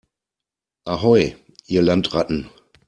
Ahoi, ihr Landratten!